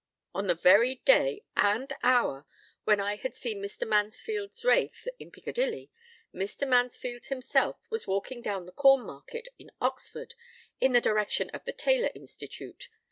On the very day and hour when I had seen Mr. Mansfield's wraith in Piccadilly, Mr. Mansfield himself was walking down the Corn Market in Oxford, in the direction of the Taylor Institute.